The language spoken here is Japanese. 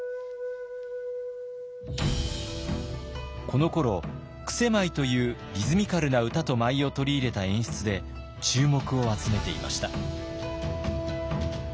このころ曲舞というリズミカルな歌と舞を取り入れた演出で注目を集めていました。